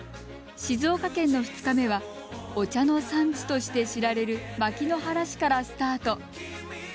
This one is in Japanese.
静岡県の２日目はお茶の産地として知られる牧之原市からスタート。